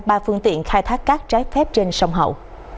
ba phương tiện khai thác cát trái phép trên sông hậu